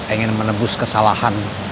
ingin menebus kesalahan